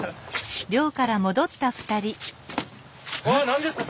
あ何ですか？